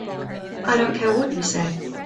I don't care what you say.